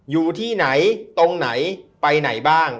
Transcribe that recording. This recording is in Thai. อยู่ที่ไหนตรงไหนไปไหนบ้าง